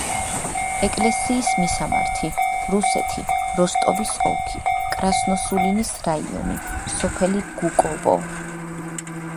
ეკლესიის მისამართი: რუსეთი, როსტოვის ოლქი, კრასნოსულინის რაიონი, სოფელი გუკოვო.